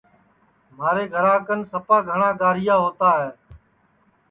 مھارے گھرا کن سپا گھٹؔا گاریا ہؤتا ہے